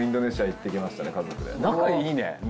仲いいね。